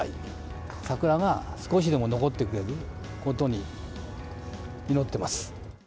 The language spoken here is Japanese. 桜が少しでも残ってくれることに、祈ってます。